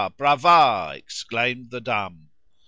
Brava! exclaimed the dumb."